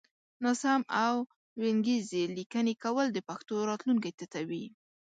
ناسم او وينگيزې ليکنې کول د پښتو راتلونکی تتوي